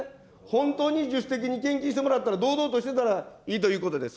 本当に自主的に献金してもらったら、堂々としてたらいいということです。